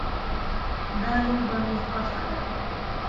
دا لوبه مې خوښه ده